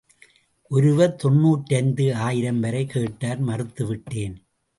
ஒருவர் தொன்னூற்றைந்து ஆயிரம்வரை கேட்டார் மறுத்து விட்டேன்.